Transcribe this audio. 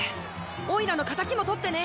おいらの敵も取ってね。